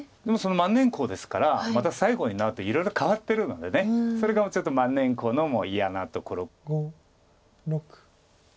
でも万年コウですからまた最後になるといろいろ変わってるのでそれがちょっと万年コウのもう嫌なところ。